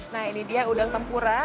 nah ini dia udang tempura